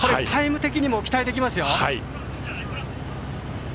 タイム的にも期待できますよ。